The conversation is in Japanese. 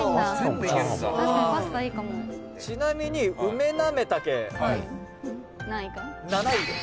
宮田：「ちなみに梅なめ茸７位です」